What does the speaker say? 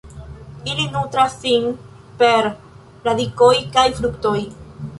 Ili nutras sin per radikoj kaj fruktoj.